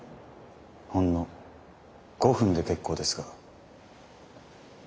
ほんの５分で結構ですが。